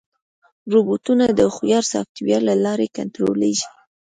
روبوټونه د هوښیار سافټویر له لارې کنټرولېږي.